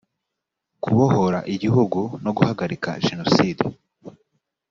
kubohora igihugu no guhagarika jenoside